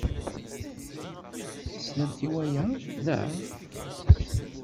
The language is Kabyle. Teslamt i waya, naɣ?